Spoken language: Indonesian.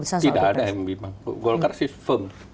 tidak ada yang bilang golkar sih firm